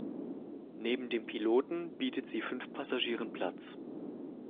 Neben dem Piloten bietet sie fünf Passagieren Platz.